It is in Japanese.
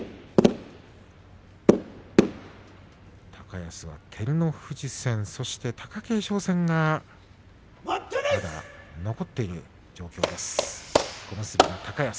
高安は照ノ富士戦そして貴景勝戦がまだ残っている状況です。